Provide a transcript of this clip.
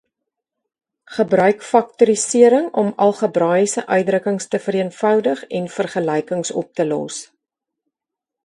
Gebruik faktorisering om algebraïese uitdrukkings te vereenvoudig en vergelykings op te los.